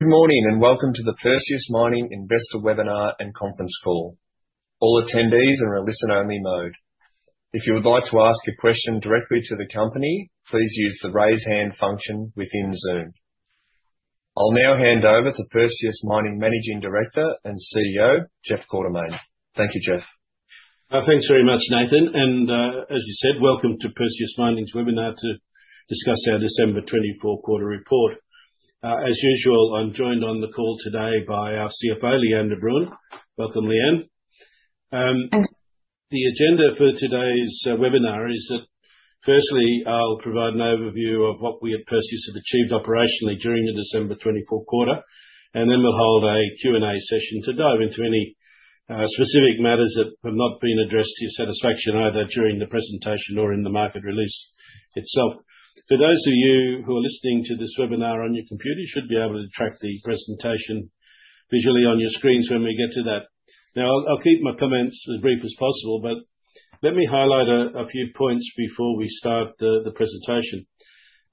Good morning and welcome to the Perseus Mining investor webinar and conference call. All attendees are in a listen-only mode. If you would like to ask a question directly to the company, please use the raise hand function within Zoom. I'll now hand over to Perseus Mining Managing Director and CEO, Jeff Quartermaine. Thank you, Jeff. Thanks very much, Nathan. And as you said, welcome to Perseus Mining's webinar to discuss our December quarter 2024 report. As usual, I'm joined on the call today by our CFO, Lee-Anne de Bruin. Welcome, Lee-Anne. Thanks. The agenda for today's webinar is that, firstly, I'll provide an overview of what we at Perseus have achieved operationally during the December 24 quarter, and then we'll hold a Q&A session to dive into any specific matters that have not been addressed to your satisfaction, either during the presentation or in the market release itself. For those of you who are listening to this webinar on your computer, you should be able to track the presentation visually on your screens when we get to that. Now, I'll keep my comments as brief as possible, but let me highlight a few points before we start the presentation.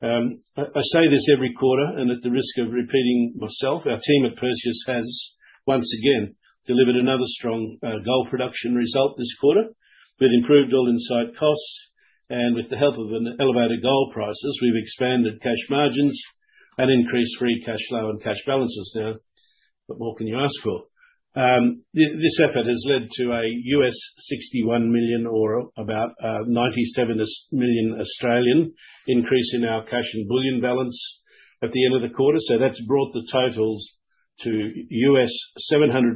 I say this every quarter, and at the risk of repeating myself, our team at Perseus has once again delivered another strong gold production result this quarter. We've improved all-in site costs, and with the help of elevated gold prices, we've expanded cash margins and increased free cash flow and cash balances. Now, what more can you ask for? This effort has led to a $61 million or about 97 million increase in our cash and bullion balance at the end of the quarter. So that's brought the totals to $704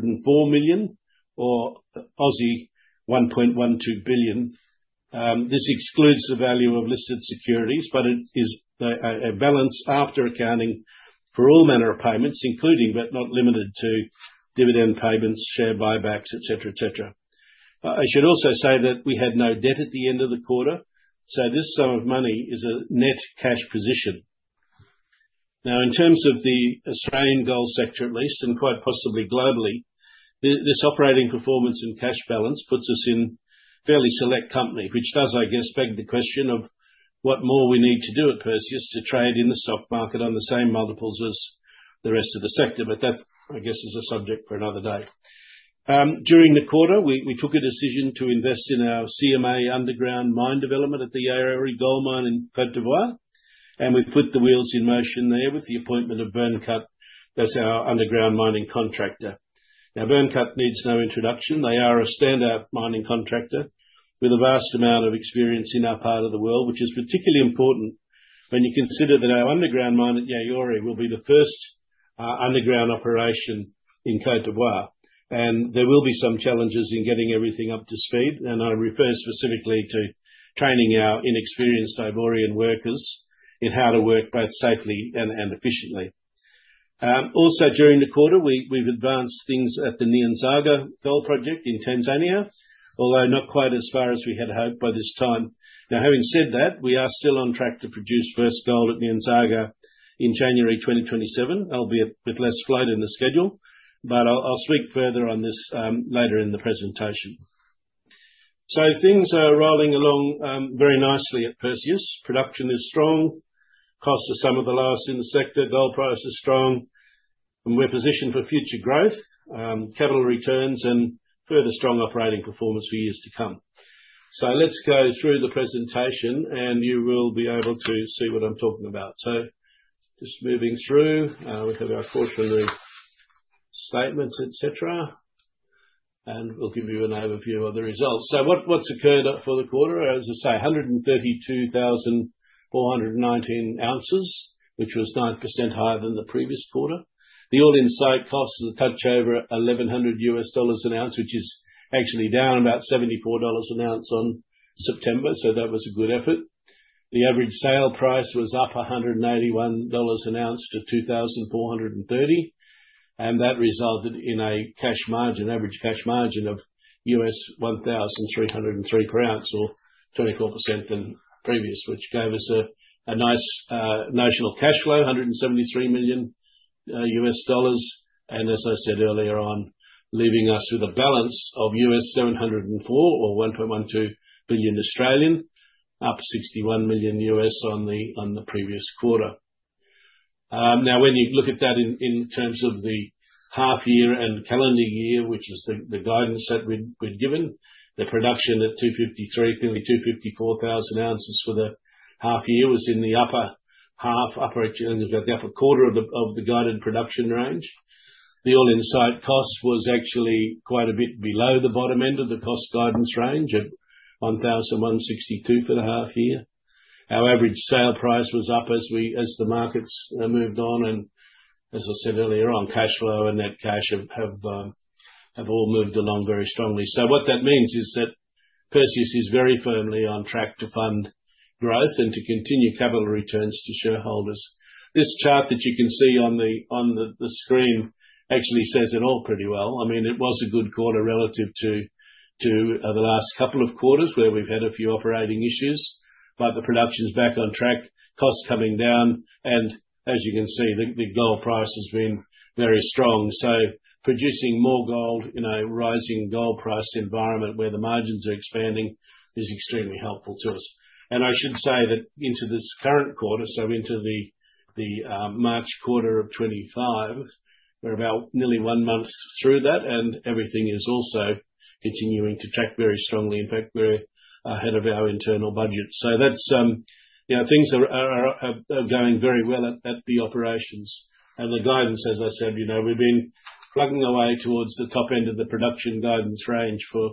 million or 1.12 billion. This excludes the value of listed securities, but it is a balance after accounting for all manner of payments, including but not limited to dividend payments, share buybacks, etc., etc. I should also say that we had no debt at the end of the quarter, so this sum of money is a net cash position. Now, in terms of the Australian gold sector, at least, and quite possibly globally, this operating performance and cash balance puts us in a fairly select company, which does, I guess, beg the question of what more we need to do at Perseus to trade in the stock market on the same multiples as the rest of the sector. But that, I guess, is a subject for another day. During the quarter, we took a decision to invest in our CMA underground mine development at the Yaouré Gold Mine in Côte d'Ivoire, and we put the wheels in motion there with the appointment of Byrnecut. That's our underground mining contractor. Now, Byrnecut needs no introduction. They are a standout mining contractor with a vast amount of experience in our part of the world, which is particularly important when you consider that our underground mine at Yaouré will be the first underground operation in Côte d'Ivoire, and there will be some challenges in getting everything up to speed, and I refer specifically to training our inexperienced Ivorian workers in how to work both safely and efficiently. Also, during the quarter, we've advanced things at the Nyanzaga Gold Project in Tanzania, although not quite as far as we had hoped by this time. Now, having said that, we are still on track to produce first gold at Nyanzaga in January 2027, albeit with less float in the schedule, but I'll speak further on this later in the presentation, so things are rolling along very nicely at Perseus. Production is strong. Costs are some of the lowest in the sector. Gold price is strong, and we're positioned for future growth, capital returns, and further strong operating performance for years to come. So let's go through the presentation, and you will be able to see what I'm talking about. So just moving through, we have our quarterly statements, etc., and we'll give you an overview of the results. So what's occurred for the quarter? As I say, 132,419 ounces, which was 9% higher than the previous quarter. The All-In Site costs have touched over $1,100 an ounce, which is actually down about $74 an ounce on September, so that was a good effort. The average sale price was up $181 an ounce to $2,430, and that resulted in an average cash margin of $1,303 per ounce, or 24% than previous, which gave us a nice net cash flow, $173 million. As I said earlier on, leaving us with a balance of $704 million or 1.12 billion, up $61 million on the previous quarter. Now, when you look at that in terms of the half year and calendar year, which is the guidance that we're given, the production at 254,000 ounces for the half year was in the upper half, upper quarter of the guided production range. The All-In Site cost was actually quite a bit below the bottom end of the cost guidance range at $1,162 for the half year. Our average sale price was up as the markets moved on, and as I said earlier, on cash flow and net cash have all moved along very strongly. So what that means is that Perseus is very firmly on track to fund growth and to continue capital returns to shareholders. This chart that you can see on the screen actually says it all pretty well. I mean, it was a good quarter relative to the last couple of quarters where we've had a few operating issues, but the production's back on track, costs coming down, and as you can see, the gold price has been very strong. So producing more gold in a rising gold price environment where the margins are expanding is extremely helpful to us. I should say that into this current quarter, so into the March quarter of 2025, we're about nearly one month through that, and everything is also continuing to track very strongly. In fact, we're ahead of our internal budget. Things are going very well at the operations. The guidance, as I said, we've been plugging away towards the top end of the production guidance range for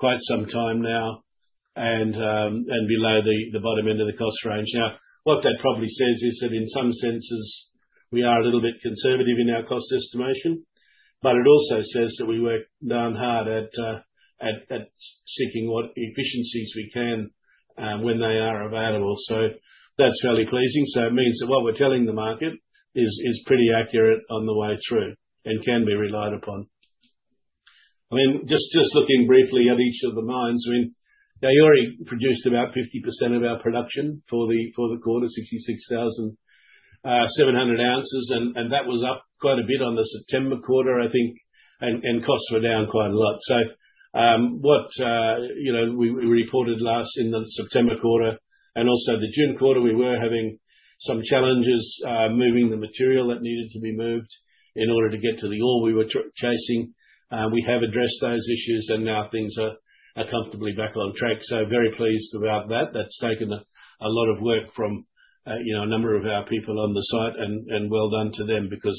quite some time now and below the bottom end of the cost range. Now, what that probably says is that in some senses we are a little bit conservative in our cost estimation, but it also says that we work hard at seeking what efficiencies we can when they are available. That's fairly pleasing. It means that what we're telling the market is pretty accurate on the way through and can be relied upon. I mean, just looking briefly at each of the mines, I mean, Yaouré produced about 50% of our production for the quarter, 66,700 ounces, and that was up quite a bit on the September quarter, I think, and costs were down quite a lot. So what we reported last in the September quarter and also the June quarter, we were having some challenges moving the material that needed to be moved in order to get to the ore we were chasing. We have addressed those issues, and now things are comfortably back on track. So very pleased about that. That's taken a lot of work from a number of our people on the site, and well done to them because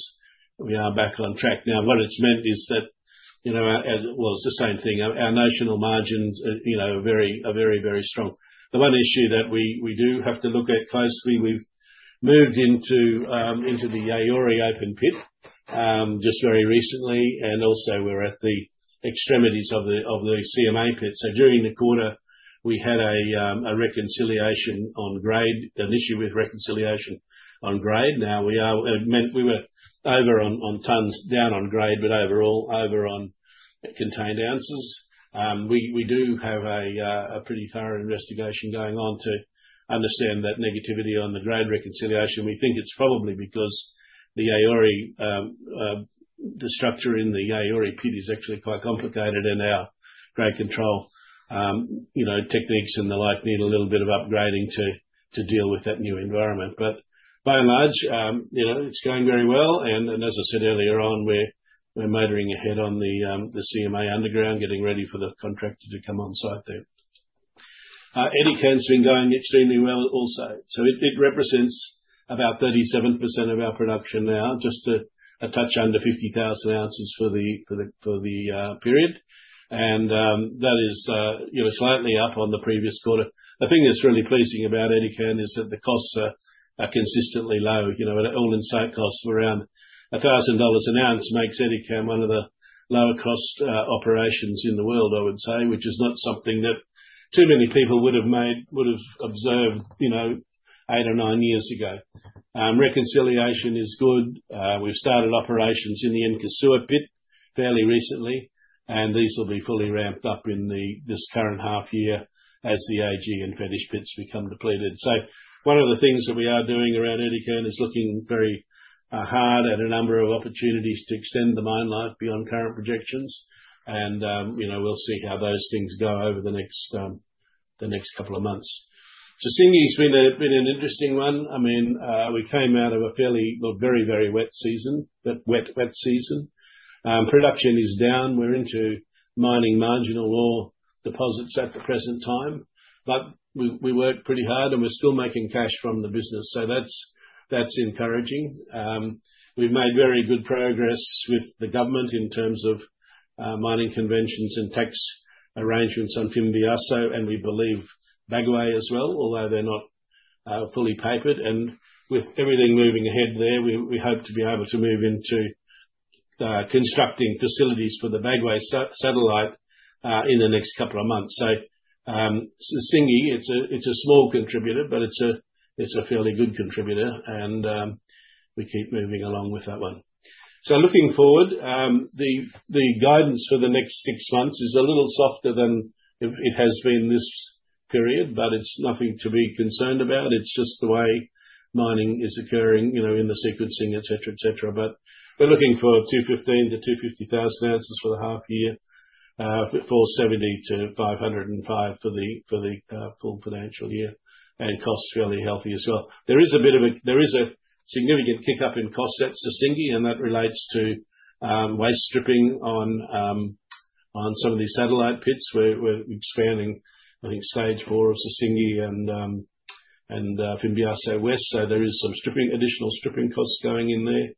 we are back on track. Now, what it's meant is that, well, it's the same thing. Our net margins are very, very strong. The one issue that we do have to look at closely, we've moved into the Yaouré open pit just very recently, and also we're at the extremities of the CMA pit. So during the quarter, we had a reconciliation on grade, an issue with reconciliation on grade. Now, we were over on tons, down on grade, but overall over on contained ounces. We do have a pretty thorough investigation going on to understand that negativity on the grade reconciliation. We think it's probably because the Yaouré, the structure in the Yaouré pit is actually quite complicated, and our grade control techniques and the like need a little bit of upgrading to deal with that new environment. But by and large, it's going very well, and as I said earlier on, we're motoring ahead on the CMA underground, getting ready for the contractor to come on site there. Edikan's been going extremely well also. So it represents about 37% of our production now, just a touch under 50,000 ounces for the period. And that is slightly up on the previous quarter. The thing that's really pleasing about Edikan is that the costs are consistently low. All-in site costs of around $1,000 an ounce makes Edikan one of the lower-cost operations in the world, I would say, which is not something that too many people would have observed eight or nine years ago. Reconciliation is good. We've started operations in the Nkosuo Pit fairly recently, and these will be fully ramped up in this current half year as the AG and Fetish pits become depleted. One of the things that we are doing around Edikan is looking very hard at a number of opportunities to extend the mine life beyond current projections, and we'll see how those things go over the next couple of months. So Sissingué has been an interesting one. I mean, we came out of a very wet season. Production is down. We're into mining marginal ore deposits at the present time, but we work pretty hard, and we're still making cash from the business, so that's encouraging. We've made very good progress with the government in terms of mining conventions and tax arrangements on Fimbiasso, and we believe Bagoé as well, although they're not fully papered. And with everything moving ahead there, we hope to be able to move into constructing facilities for the Bagoé satellite in the next couple of months. Sissingué, it's a small contributor, but it's a fairly good contributor, and we keep moving along with that one. Looking forward, the guidance for the next six months is a little softer than it has been this period, but it's nothing to be concerned about. It's just the way mining is occurring in the sequencing, etc., etc. We're looking for 215,000-250,000 ounces for the half year, 470,000-505,000 for the full financial year, and costs fairly healthy as well. There is a bit of a significant kick-up in costs at Sissingué, and that relates to waste stripping on some of the satellite pits. We're expanding, I think, stage four of Sissingué and Fimbiasso, so there is some additional stripping costs going in there.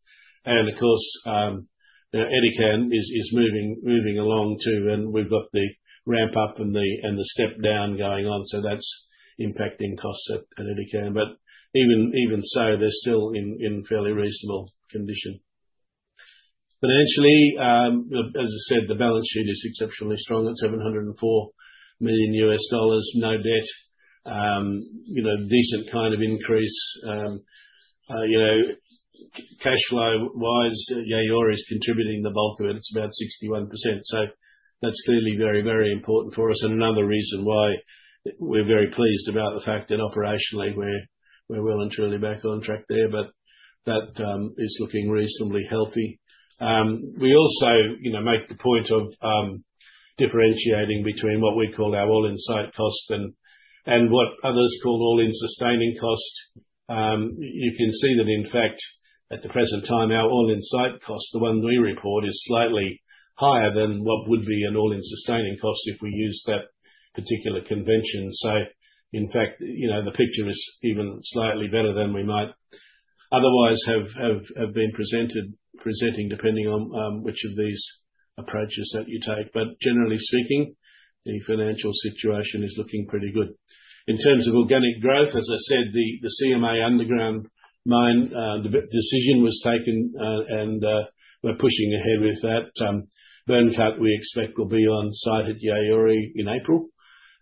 And of course, Edikan is moving along too, and we've got the ramp-up and the step-down going on, so that's impacting costs at Edikan. But even so, they're still in fairly reasonable condition. Financially, as I said, the balance sheet is exceptionally strong at $704 million, no debt, decent kind of increase. Cash flow-wise, Yaouré is contributing the bulk of it. It's about 61%. So that's clearly very, very important for us, and another reason why we're very pleased about the fact that operationally we're well and truly back on track there, but that is looking reasonably healthy. We also make the point of differentiating between what we call our All-In Site Cost and what others call All-In Sustaining Cost. You can see that, in fact, at the present time, our All-In Site Cost, the one we report, is slightly higher than what would be an All-In Sustaining Cost if we use that particular convention. So, in fact, the picture is even slightly better than we might otherwise have been presenting, depending on which of these approaches that you take. But generally speaking, the financial situation is looking pretty good. In terms of organic growth, as I said, the CMA underground mine decision was taken, and we're pushing ahead with that. Byrnecut, we expect, will be on site at Yaouré in April,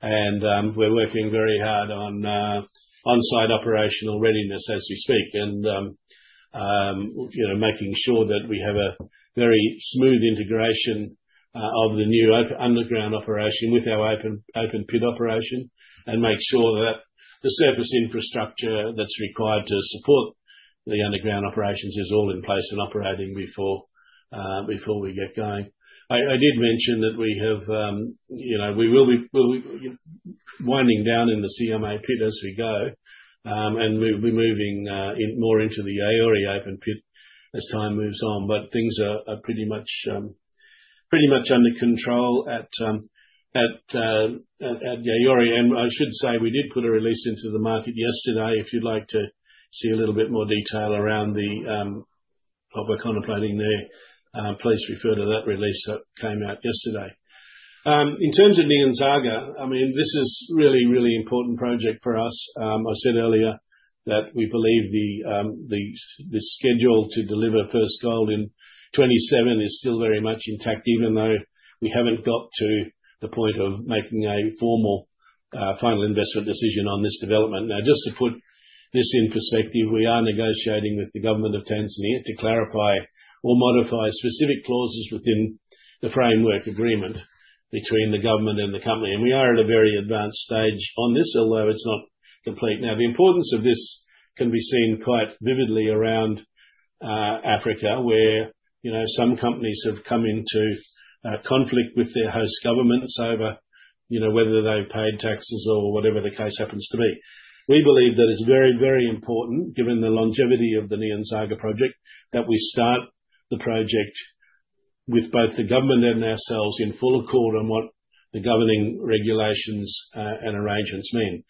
and we're working very hard on on-site operational readiness as we speak and making sure that we have a very smooth integration of the new underground operation with our open pit operation and make sure that the surface infrastructure that's required to support the underground operations is all in place and operating before we get going. I did mention that we will be winding down in the CMA pit as we go, and we'll be moving more into the Yaouré open pit as time moves on, but things are pretty much under control at Yaouré. I should say we did put a release into the market yesterday. If you'd like to see a little bit more detail around the project contemplating there, please refer to that release that came out yesterday. In terms of Nyanzaga, I mean, this is a really, really important project for us. I said earlier that we believe the schedule to deliver first gold in 2027 is still very much intact, even though we haven't got to the point of making a formal final investment decision on this development. Now, just to put this in perspective, we are negotiating with the government of Tanzania to clarify or modify specific clauses within the framework agreement between the government and the company, and we are at a very advanced stage on this, although it's not complete. Now, the importance of this can be seen quite vividly around Africa, where some companies have come into conflict with their host governments over whether they've paid taxes or whatever the case happens to be. We believe that it's very, very important, given the longevity of the Nyanzaga project, that we start the project with both the government and ourselves in full accord on what the governing regulations and arrangements mean,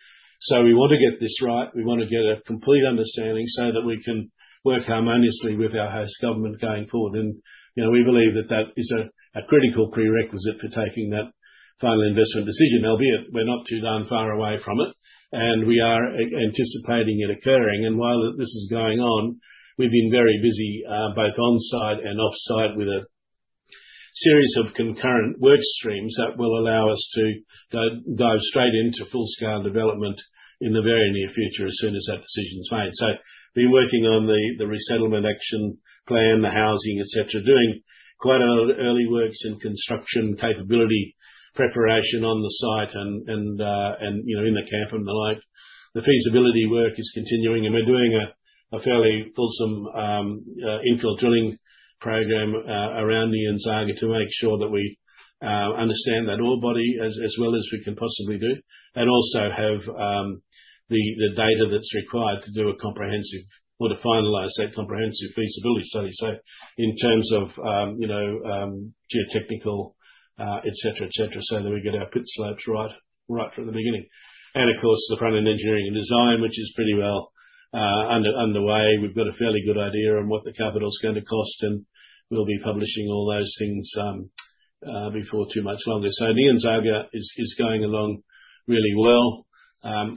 so we want to get this right. We want to get a complete understanding so that we can work harmoniously with our host government going forward, and we believe that that is a critical prerequisite for taking that final investment decision, albeit we're not too darn far away from it, and we are anticipating it occurring, and while this is going on, we've been very busy both on-site and off-site with a series of concurrent work streams that will allow us to go straight into full-scale development in the very near future as soon as that decision's made. So we've been working on the resettlement action plan, the housing, etc., doing quite early works in construction capability preparation on the site and in the camp and the like. The feasibility work is continuing, and we're doing a fairly fulsome infill drilling program around Nyanzaga to make sure that we understand that ore body as well as we can possibly do and also have the data that's required to do a comprehensive or to finalize that comprehensive feasibility study, so in terms of geotechnical, etc., etc., so that we get our pit slopes right from the beginning. And of course, the front-end engineering and design, which is pretty well underway. We've got a fairly good idea on what the capital's going to cost, and we'll be publishing all those things before too much longer. So Nyanzaga is going along really well.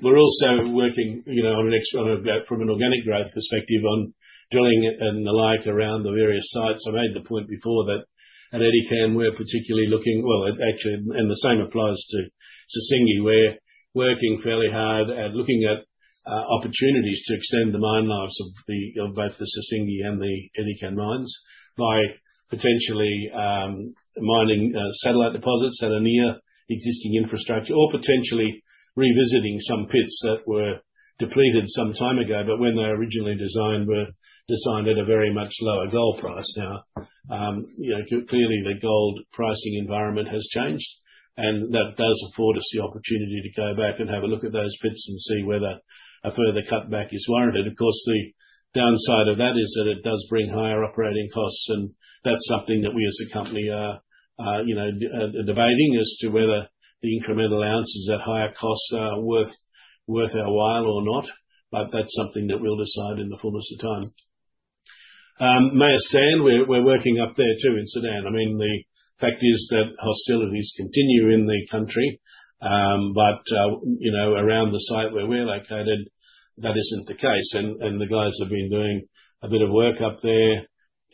We're also working from an organic growth perspective on drilling and the like around the various sites. I made the point before that at Edikan, we're particularly looking, well, actually, and the same applies to Sissingué. We're working fairly hard at looking at opportunities to extend the mine lives of both the Sissingué and the Edikan mines by potentially mining satellite deposits that are near existing infrastructure or potentially revisiting some pits that were depleted some time ago, but when they were originally designed, were designed at a very much lower gold price. Now, clearly, the gold pricing environment has changed, and that does afford us the opportunity to go back and have a look at those pits and see whether a further cutback is warranted. Of course, the downside of that is that it does bring higher operating costs, and that's something that we as a company are debating as to whether the incremental ounces at higher costs are worth our while or not, but that's something that we'll decide in the fullness of time. Meyas Sand, we're working up there too in Sudan. I mean, the fact is that hostilities continue in the country, but around the site where we're located, that isn't the case. And the guys have been doing a bit of work up there,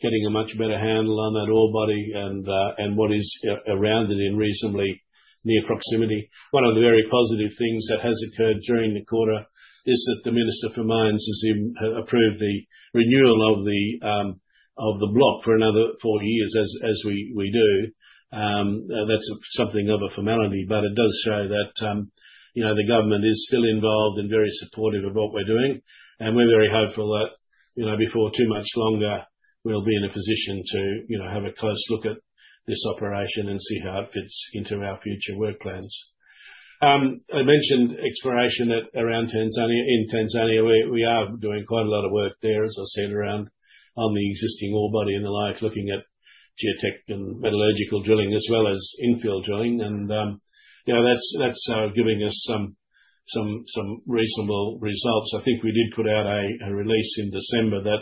getting a much better handle on that ore body and what is around it in reasonably near proximity. One of the very positive things that has occurred during the quarter is that the Minister for Mines has approved the renewal of the block for another four years, as we do. That's something of a formality, but it does show that the government is still involved and very supportive of what we're doing, and we're very hopeful that before too much longer, we'll be in a position to have a close look at this operation and see how it fits into our future work plans. I mentioned exploration around Tanzania. In Tanzania, we are doing quite a lot of work there, as I said, around the existing ore body and the like, looking at Geotech and Metallurgical drilling as well as Infill drilling, and that's giving us some reasonable results. I think we did put out a release in December that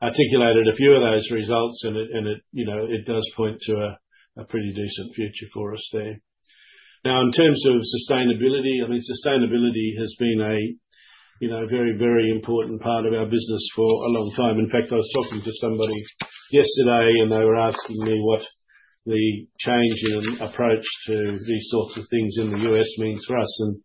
articulated a few of those results, and it does point to a pretty decent future for us there. Now, in terms of sustainability, I mean, sustainability has been a very, very important part of our business for a long time. In fact, I was talking to somebody yesterday, and they were asking me what the change in approach to these sorts of things in the US means for us, and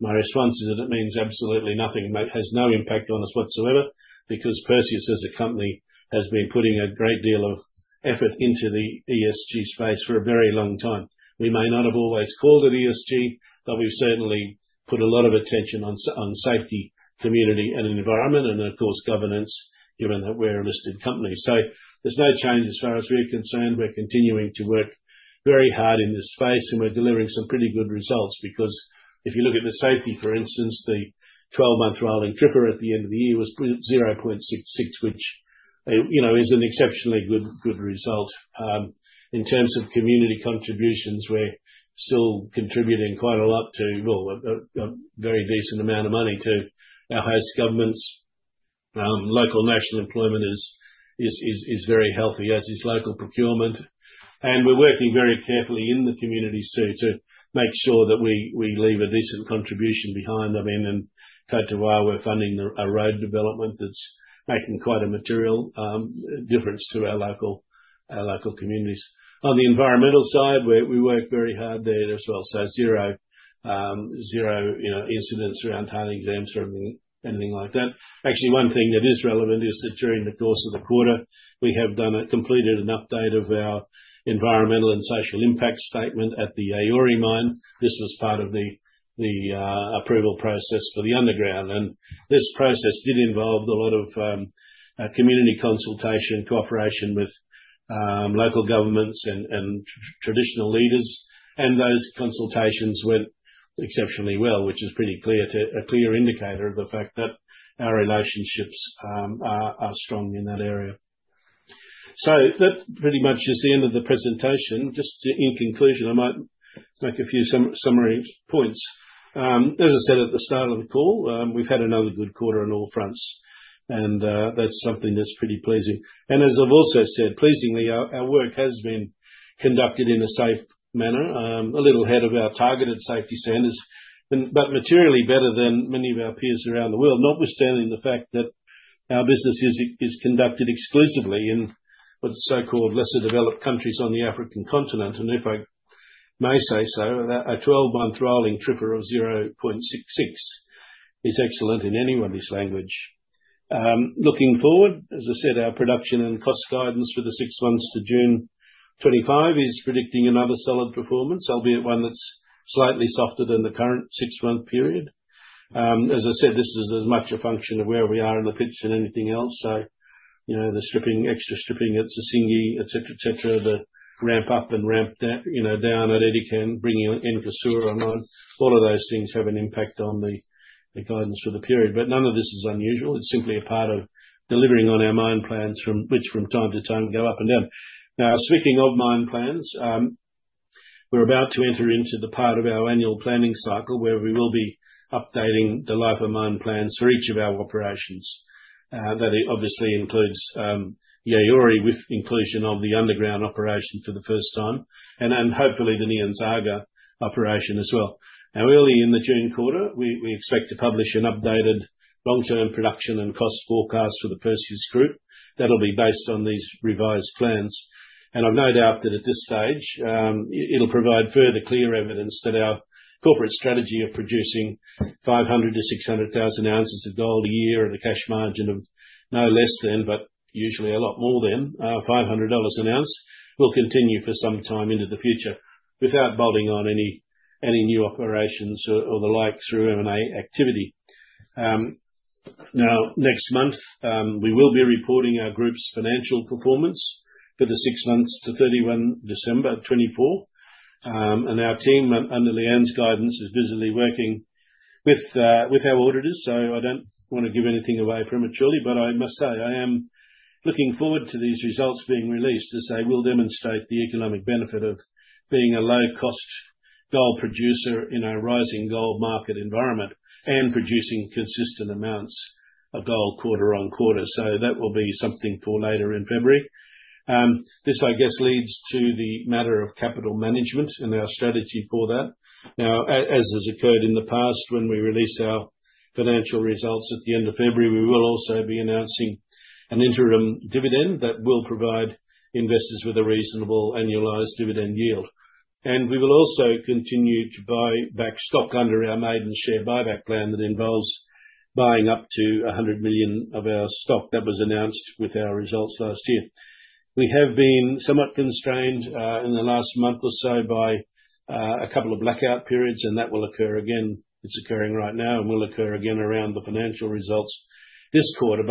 my response is that it means absolutely nothing. It has no impact on us whatsoever because Perseus, as a company, has been putting a great deal of effort into the ESG space for a very long time. We may not have always called it ESG, but we've certainly put a lot of attention on safety, community, and environment, and of course, governance, given that we're a listed company. So there's no change as far as we're concerned. We're continuing to work very hard in this space, and we're delivering some pretty good results because if you look at the safety, for instance, the 12-month rolling TRIFR at the end of the year was 0.66, which is an exceptionally good result. In terms of community contributions, we're still contributing quite a lot to, well, a very decent amount of money to our host governments. Local national employment is very healthy, as is local procurement, and we're working very carefully in the communities too to make sure that we leave a decent contribution behind. I mean, in Yaouré, we're funding a road development that's making quite a material difference to our local communities. On the environmental side, we work very hard there as well, so zero incidents around tailings dams or anything like that. Actually, one thing that is relevant is that during the course of the quarter, we have completed an update of our environmental and social impact statement at the Yaouré mine. This was part of the approval process for the underground, and this process did involve a lot of community consultation, cooperation with local governments and traditional leaders, and those consultations went exceptionally well, which is a clear indicator of the fact that our relationships are strong in that area. So that pretty much is the end of the presentation. Just in conclusion, I might make a few summary points. As I said at the start of the call, we've had another good quarter on all fronts, and that's something that's pretty pleasing. And as I've also said, pleasingly, our work has been conducted in a safe manner, a little ahead of our targeted safety standards, but materially better than many of our peers around the world, notwithstanding the fact that our business is conducted exclusively in what's so-called lesser developed countries on the African continent. And if I may say so, a 12-month rolling TRIFR of 0.66 is excellent in any league. Looking forward, as I said, our production and cost guidance for the six months to June 2025 is predicting another solid performance, albeit one that's slightly softer than the current six-month period. As I said, this is as much a function of where we are in the pits as anything else. So the extra stripping at Sissingué, etc., etc., the ramp up and ramp down at Edikan, bringing in Yaouré mine, all of those things have an impact on the guidance for the period. But none of this is unusual. It's simply a part of delivering on our mine plans, which from time to time go up and down. Now, speaking of mine plans, we're about to enter into the part of our annual planning cycle where we will be updating the life of mine plans for each of our operations. That obviously includes Yaouré with inclusion of the underground operation for the first time and hopefully the Nyanzaga operation as well. Now, early in the June quarter, we expect to publish an updated long-term production and cost forecast for the Perseus Group. That'll be based on these revised plans, and I've no doubt that at this stage, it'll provide further clear evidence that our corporate strategy of producing 500-600,000 ounces of gold a year at a cash margin of no less than, but usually a lot more than, $500 an ounce will continue for some time into the future without bolting on any new operations or the like through M&A activity. Now, next month, we will be reporting our group's financial performance for the six months to 31 December 2024, and our team under Lee-Anne's guidance is busily working with our auditors, so I don't want to give anything away prematurely, but I must say I am looking forward to these results being released as they will demonstrate the economic benefit of being a low-cost gold producer in a rising gold market environment and producing consistent amounts of gold quarter on quarter. So that will be something for later in February. This, I guess, leads to the matter of capital management and our strategy for that. Now, as has occurred in the past, when we release our financial results at the end of February, we will also be announcing an interim dividend that will provide investors with a reasonable annualized dividend yield. And we will also continue to buy back stock under our maiden share buyback plan that involves buying up to 100 million of our stock that was announced with our results last year. We have been somewhat constrained in the last month or so by a couple of blackout periods, and that will occur again. It's occurring right now and will occur again around the financial results this quarter,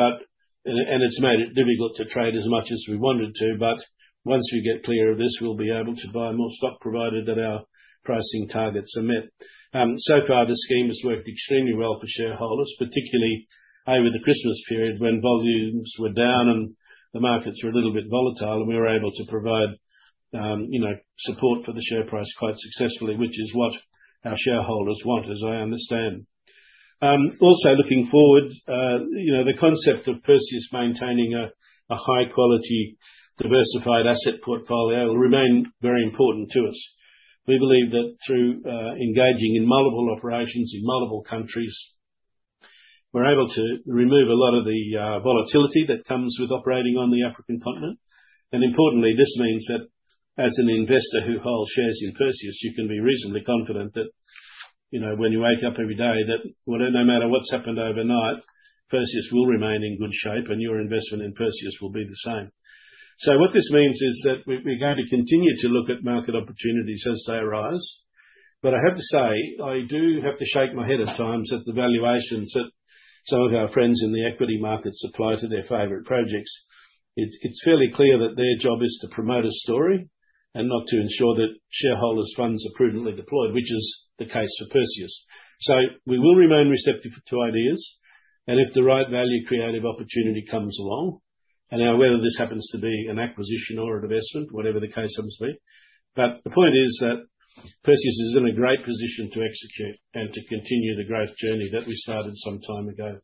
and it's made it difficult to trade as much as we wanted to, but once we get clear of this, we'll be able to buy more stock provided that our pricing targets are met. So far, the scheme has worked extremely well for shareholders, particularly over the Christmas period when volumes were down and the markets were a little bit volatile, and we were able to provide support for the share price quite successfully, which is what our shareholders want, as I understand. Also, looking forward, the concept of Perseus maintaining a high-quality diversified asset portfolio will remain very important to us. We believe that through engaging in multiple operations in multiple countries, we're able to remove a lot of the volatility that comes with operating on the African continent. And importantly, this means that as an investor who holds shares in Perseus, you can be reasonably confident that when you wake up every day, no matter what's happened overnight, Perseus will remain in good shape and your investment in Perseus will be the same. So what this means is that we're going to continue to look at market opportunities as they arise. But I have to say, I do have to shake my head at times at the valuations that some of our friends in the equity markets apply to their favorite projects. It's fairly clear that their job is to promote a story and not to ensure that shareholders' funds are prudently deployed, which is the case for Perseus. So we will remain receptive to ideas, and if the right value-creative opportunity comes along, and now whether this happens to be an acquisition or an investment, whatever the case happens to be, but the point is that Perseus is in a great position to execute and to continue the growth journey that we started some time ago.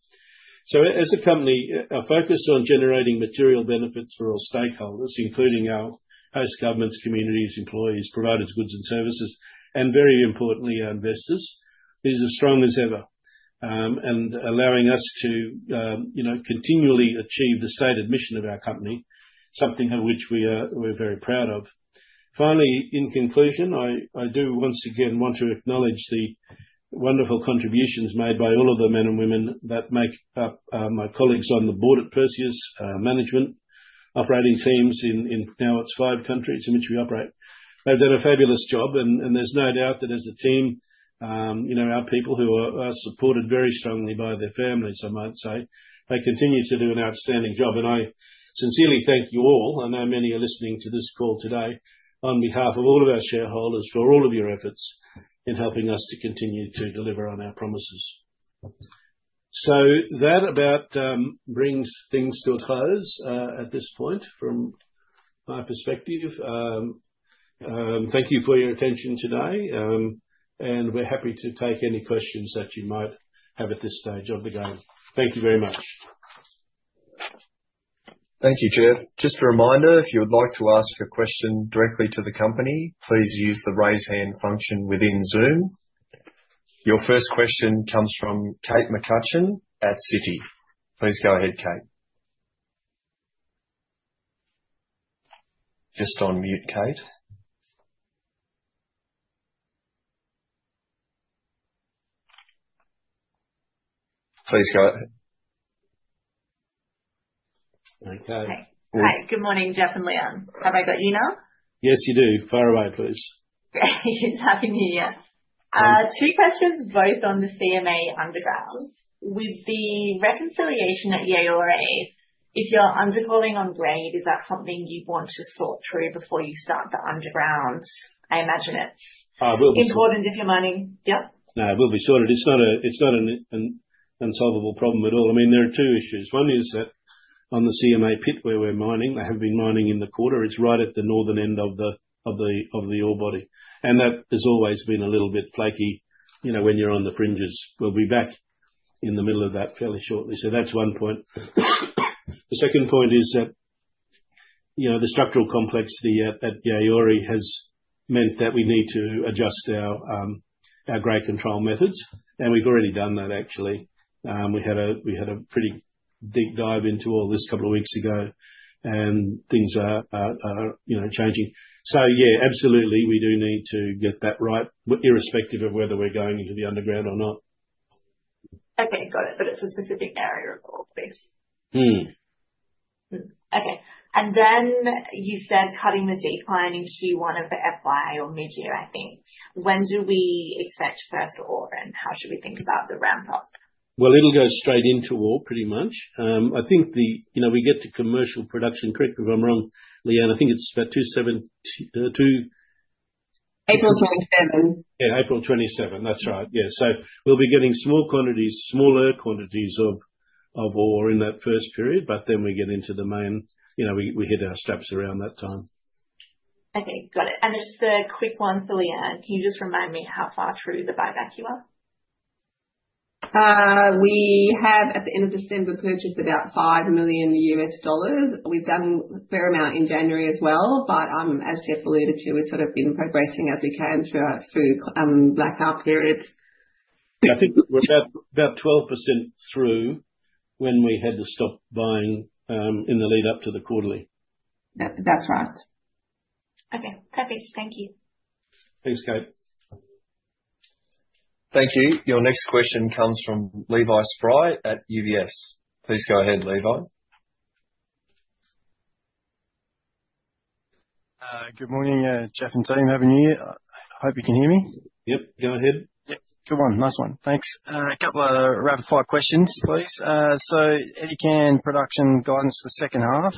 As a company, our focus on generating material benefits for all stakeholders, including our host governments, communities, employees, providers, goods, and services, and very importantly, our investors, is as strong as ever and allowing us to continually achieve the stated mission of our company, something of which we are very proud of. Finally, in conclusion, I do once again want to acknowledge the wonderful contributions made by all of the men and women that make up my colleagues on the board at Perseus, management, operating teams in now, it's five countries in which we operate. They've done a fabulous job, and there's no doubt that as a team, our people who are supported very strongly by their families, I might say, they continue to do an outstanding job. I sincerely thank you all. I know many are listening to this call today on behalf of all of our shareholders for all of your efforts in helping us to continue to deliver on our promises. So that about brings things to a close at this point from my perspective. Thank you for your attention today, and we're happy to take any questions that you might have at this stage of the game. Thank you very much. Thank you, Jeff. Just a reminder, if you would like to ask a question directly to the company, please use the raise hand function within Zoom. Your first question comes from Kate McCutcheon at Citi. Please go ahead, Kate. Just on mute, Kate. Please go ahead. Okay. Hi. Good morning, Jeff and Lee-Anne. Have I got you now? Yes, you do. Far away, please. Great. Good to have you here. Two questions, both on the CMA undergrounds. With the reconciliation at Yaouré, if you're underdelivering on grade, is that something you want to sort through before you start the undergrounds? I imagine it's important if you're mining. Yeah? No, it will be sorted. It's not an unsolvable problem at all. I mean, there are two issues. One is that on the CMA pit where we're mining, they have been mining in the quarter. It's right at the northern end of the ore body, and that has always been a little bit flaky when you're on the fringes. We'll be back in the middle of that fairly shortly, so that's one point. The second point is that the structural complexity at Yaouré has meant that we need to adjust our grade control methods, and we've already done that, actually. We had a pretty deep dive into all this a couple of weeks ago, and things are changing. So yeah, absolutely, we do need to get that right irrespective of whether we're going into the underground or not. Okay. Got it. But it's a specific area of ore, please. Okay. And then you said cutting the decline into one of the FY or mid-year, I think. When do we expect first ore, and how should we think about the ramp up? It'll go straight into ore, pretty much. I think we get to commercial production. Correct me if I'm wrong, Lee-Anne. I think it's about 27. April 27. Yeah, April 27. That's right. Yeah. So we'll be getting smaller quantities of ore in that first period, but then we get into the main we hit our steps around that time. Okay. Got it. And just a quick one for Lee-Anne. Can you just remind me how far through the buyback you are? We have, at the end of December, purchased about $5 million. We've done a fair amount in January as well, but as Jeff alluded to, we've sort of been progressing as we can through blackout periods. Yeah. I think we're about 12% through when we had to stop buying in the lead-up to the quarterly. That's right. Okay. Perfect. Thank you. Thanks, Kate. Thank you. Your next question comes from Levi Spry at UBS. Please go ahead, Levi. Good morning, Jeff and team. How are you? I hope you can hear me. Yep. Go ahead. Yep. Good one. Nice one. Thanks. A couple of rapid-fire questions, please. So Edikan production guidance for the second half.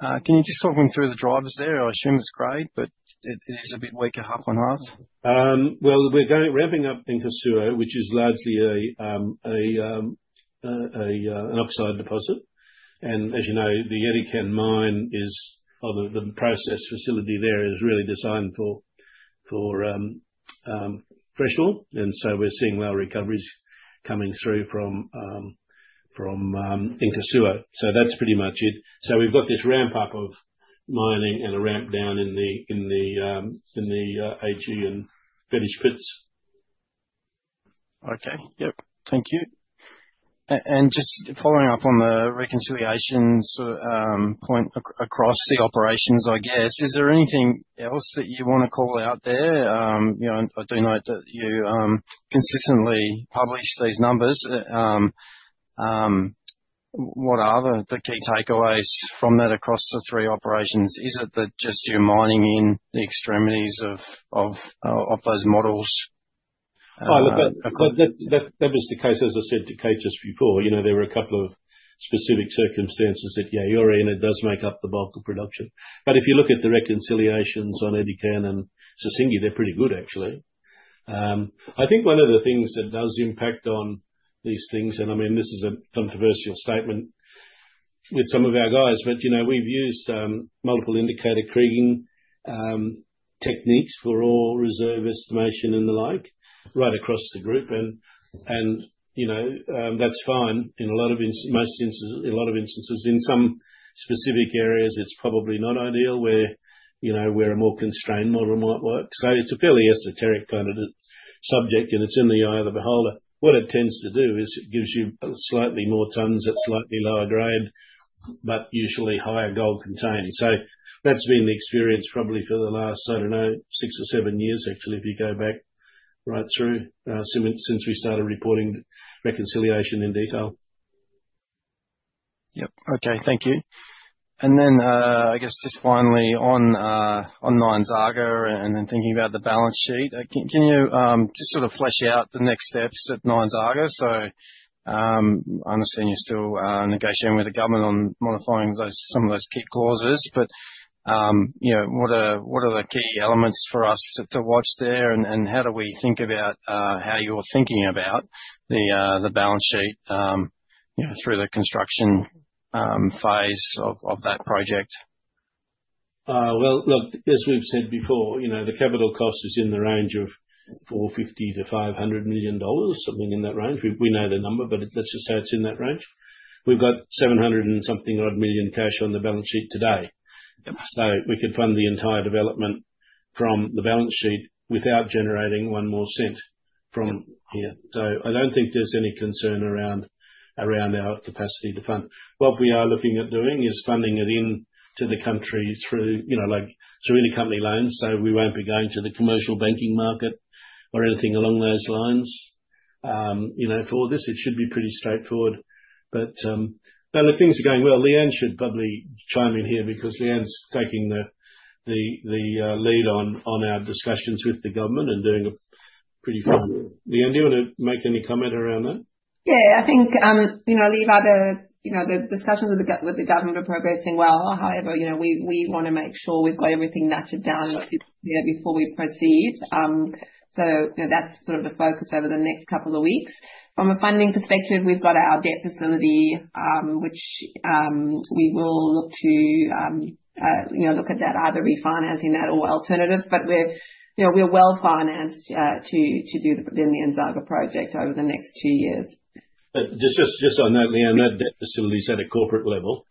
Can you just talk me through the drivers there? I assume it's grade, but it is a bit weaker, half and half. We're ramping up in Nkosuo, which is largely an oxide deposit. As you know, the Edikan mine or the process facility there is really designed for fresh ore, and so we're seeing good recoveries coming through from Nkosuo. That's pretty much it. We've got this ramp up of mining and a ramp down in the AG and Fetish pits. Okay. Yep. Thank you. And just following up on the reconciliation point across the operations, I guess, is there anything else that you want to call out there? I do note that you consistently publish these numbers. What are the key takeaways from that across the three operations? Is it that just you're mining in the extremities of those models? That was the case, as I said to Kate just before. There were a couple of specific circumstances at Yaouré, and it does make up the bulk of production. But if you look at the reconciliations on Edikan and Sissingué, they're pretty good, actually. I think one of the things that does impact on these things, and I mean, this is a controversial statement with some of our guys, but we've used multiple indicator kriging techniques for all reserve estimation and the like. Right across the group, and that's fine in a lot of most instances. In some specific areas, it's probably not ideal where a more constrained model might work. So it's a fairly esoteric kind of subject, and it's in the eye of the beholder. What it tends to do is it gives you slightly more tons at slightly lower grade, but usually higher gold containing. So that's been the experience probably for the last, I don't know, six or seven years, actually, if you go back right through since we started reporting reconciliation in detail. Yep. Okay. Thank you, and then I guess just finally on Nyanzaga and then thinking about the balance sheet, can you just sort of flesh out the next steps at Nyanzaga, so I understand you're still negotiating with the government on modifying some of those key clauses, but what are the key elements for us to watch there, and how do we think about how you're thinking about the balance sheet through the construction phase of that project? Look, as we've said before, the capital cost is in the range of $450-$500 million, something in that range. We know the number, but let's just say it's in that range. We've got $700-something-odd million cash on the balance sheet today. So we could fund the entire development from the balance sheet without generating one more cent from here. So I don't think there's any concern around our capacity to fund. What we are looking at doing is funding it into the country through intercompany loans, so we won't be going to the commercial banking market or anything along those lines. For all this, it should be pretty straightforward. But look, things are going well. Lee-Anne should probably chime in here because Lee-Anne's taking the lead on our discussions with the government and doing a pretty fun. Lee-Anne, do you want to make any comment around that? Yeah. I think Lee had the discussions with the government are progressing well, or however. We want to make sure we've got everything netted down before we proceed. So that's sort of the focus over the next couple of weeks. From a funding perspective, we've got our debt facility, which we will look to at that either refinancing that or alternative, but we're well financed to do the Nyanzaga project over the next two years. Just on that, Lee-Anne, that debt facility's at a corporate level.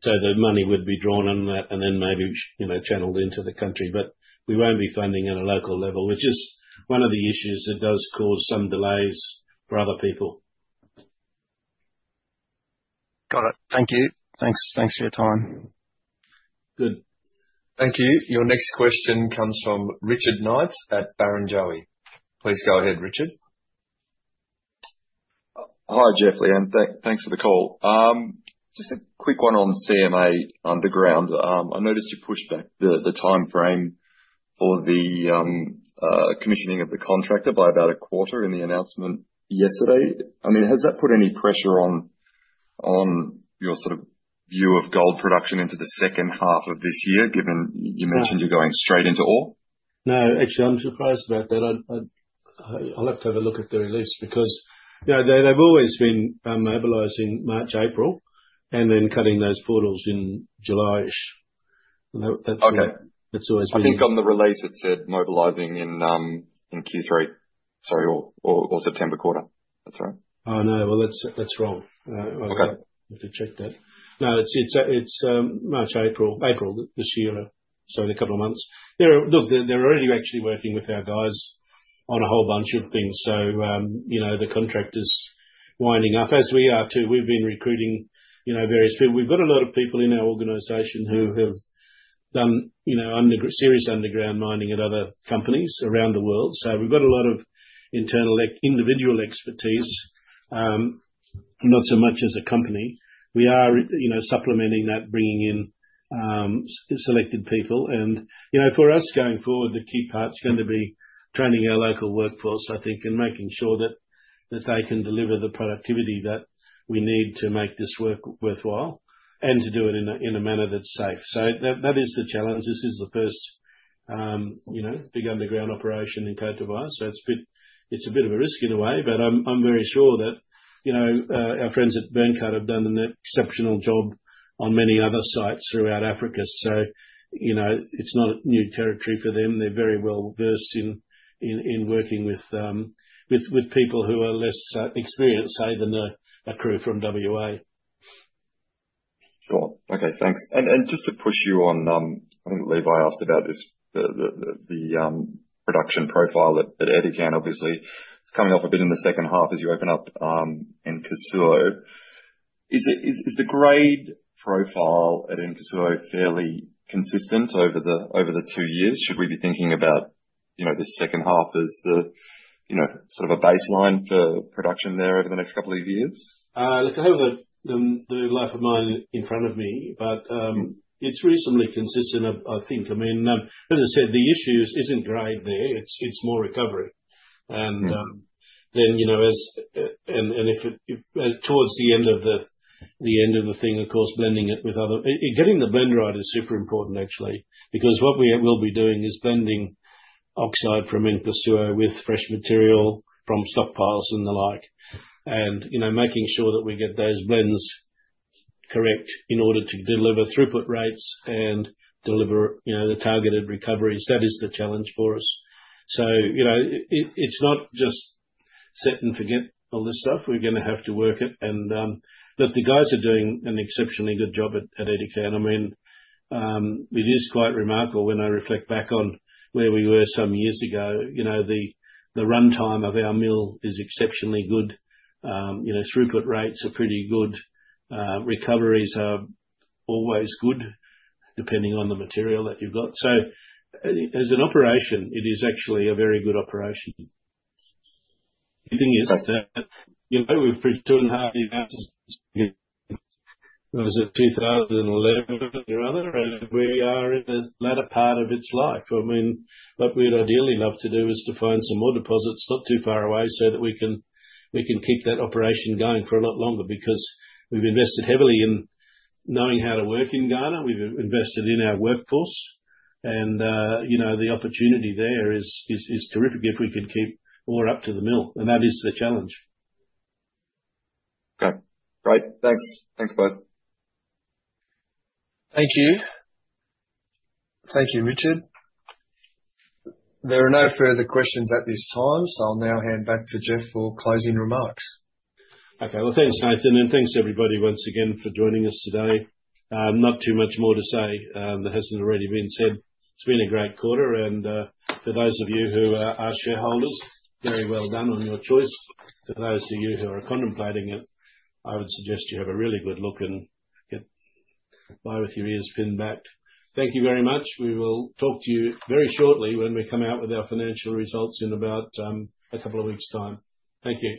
So the money would be drawn on that and then maybe channeled into the country, but we won't be funding at a local level, which is one of the issues that does cause some delays for other people. Got it. Thank you. Thanks for your time. Good. Thank you. Your next question comes from Richard Knights at Barrenjoey. Please go ahead, Richard. Hi, Jeff. Lee-Anne. Thanks for the call. Just a quick one on CMA underground. I noticed you pushed back the timeframe for the commissioning of the contractor by about a quarter in the announcement yesterday. I mean, has that put any pressure on your sort of view of gold production into the second half of this year, given you mentioned you're going straight into ore? No, actually, I'm surprised about that. I'll have to have a look at the release because they've always been mobilizing March, April, and then cutting those portals in July. That's always been. I think on the release, it said mobilizing in Q3, sorry, or September quarter. That's right. Oh, no. Well, that's wrong. I'll have to check that. No, it's March, April, April this year, so in a couple of months. Look, they're already actually working with our guys on a whole bunch of things. So the contractor's winding up, as we are too. We've been recruiting various people. We've got a lot of people in our organization who have done serious underground mining at other companies around the world. So we've got a lot of internal individual expertise, not so much as a company. We are supplementing that, bringing in selected people. And for us going forward, the key part's going to be training our local workforce, I think, and making sure that they can deliver the productivity that we need to make this work worthwhile and to do it in a manner that's safe. So that is the challenge. This is the first big underground operation in Côte d'Ivoire, so it's a bit of a risk in a way, but I'm very sure that our friends at Byrnecut have done an exceptional job on many other sites throughout Africa. So it's not new territory for them. They're very well versed in working with people who are less experienced, say, than a crew from WA. Cool. Okay. Thanks. And just to push you on, I think Levi asked about the production profile at Edikan, obviously. It's coming off a bit in the second half as you open up in Nkosuo. Is the grade profile at Nkosuo fairly consistent over the two years? Should we be thinking about the second half as sort of a baseline for production there over the next couple of years? Look, I have the life of mine in front of me, but it's reasonably consistent, I think. I mean, as I said, the issue isn't grade there. It's more recovery. And then as towards the end of the thing, of course, blending it with other getting the blend right is super important, actually, because what we will be doing is blending oxide from in Nkosuo with fresh material from stockpiles and the like, and making sure that we get those blends correct in order to deliver throughput rates and deliver the targeted recoveries. That is the challenge for us. So it's not just set and forget all this stuff. We're going to have to work it. And look, the guys are doing an exceptionally good job at Edikan. I mean, it is quite remarkable when I reflect back on where we were some years ago. The runtime of our mill is exceptionally good. Throughput rates are pretty good. Recoveries are always good, depending on the material that you've got. So as an operation, it is actually a very good operation. The thing is that we've put two and a half years. It was 2011, and we're in the latter part of its life. I mean, what we'd ideally love to do is to find some more deposits not too far away so that we can keep that operation going for a lot longer because we've invested heavily in knowing how to work in Ghana. We've invested in our workforce, and the opportunity there is terrific if we can keep ore up to the mill, and that is the challenge. Okay. Great. Thanks. Thanks, both. Thank you. Thank you, Richard. There are no further questions at this time, so I'll now hand back to Jeff for closing remarks. Okay. Well, thanks, Nathan. And thanks, everybody, once again, for joining us today. Not too much more to say. There hasn't already been said. It's been a great quarter. And for those of you who are shareholders, very well done on your choice. For those of you who are contemplating it, I would suggest you have a really good look and get by with your ears pinned back. Thank you very much. We will talk to you very shortly when we come out with our financial results in about a couple of weeks' time. Thank you.